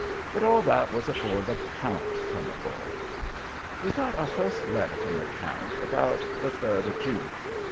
But all that was afore the count come aboard. We got our first letter from the count about the third of June.